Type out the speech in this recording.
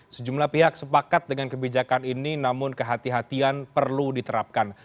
sejumlah pihak sepakat dengan kebijakan ini namun kehatian kehatian perlu diterapkan